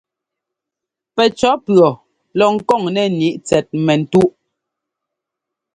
Pɛcʉ̈ɔ́ pʉ̈ɔ lɔ ŋkoŋ nɛ́ ŋíʼ tsɛt mɛ́ntúʼ.